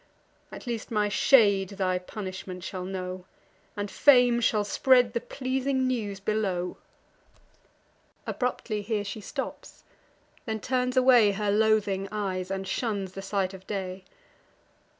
At least my shade thy punishment shall know, And Fame shall spread the pleasing news below." Abruptly here she stops; then turns away Her loathing eyes, and shuns the sight of day.